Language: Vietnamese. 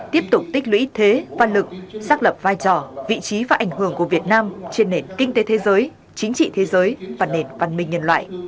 tiếp tục tích lũy thế văn lực xác lập vai trò vị trí và ảnh hưởng của việt nam trên nền kinh tế thế giới chính trị thế giới và nền văn minh nhân loại